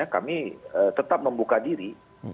kami tetap membuka diri